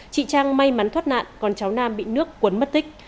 chị trang may mắn thoát nạn còn cháu nam bị nước cuốn mất tích